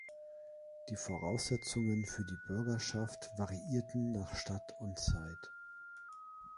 Die Voraussetzungen für die Bürgerschaft variierten nach Stadt und Zeit.